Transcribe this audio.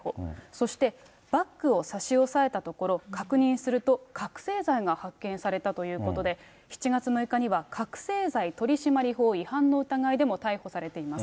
そしてバッグを差し押さえたところ、確認すると、覚醒剤が発見されたということで、７月６日には覚醒剤取締法違反の疑いでも逮捕されています。